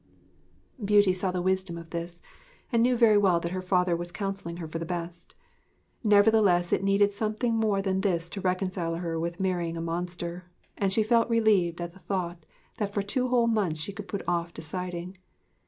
Beauty saw the wisdom of this and knew very well that her father was counselling her for the best. Nevertheless it needed something more than this to reconcile her with marrying a monster, and she felt relieved at the thought that for two whole months she could put off deciding.